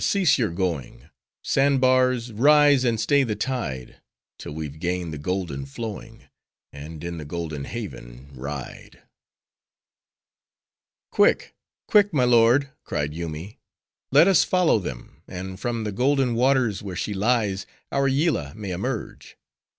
cease your going! Sand bars! rise, and stay the tide! 'Till we've gained the golden flowing; And in the golden haven ride! "Quick, quick, my lord," cried Yoomy, "let us follow them; and from the golden waters where she lies, our Yillah may emerge."